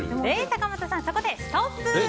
坂本さん、そこでストップ！